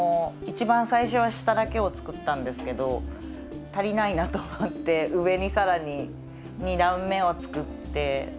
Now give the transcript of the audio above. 一番最初は下だけを作ったんですけど足りないなと思って上に更に２段目を作って。